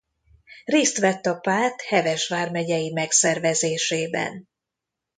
Részt vett a párt Heves vármegyei megszervezésében.